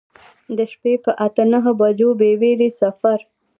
د شپې په اته نهه بجو بې ویرې سفر.